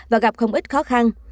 và gặp không ít khó khăn